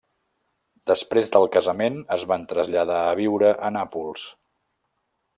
Després del casament es van traslladar a viure a Nàpols.